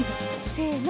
せの。